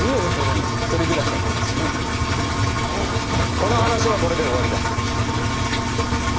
この話はこれで終わりだ。